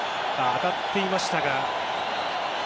当たっていましたが。